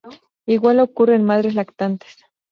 Igual ocurre en madres lactantes.